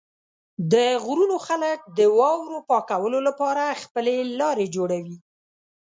د غرونو خلک د واورو پاکولو لپاره خپل لارې جوړوي.